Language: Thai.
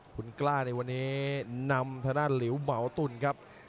คุณกล้าในวันนี้นำธนาฬิวเหมาตุลครับ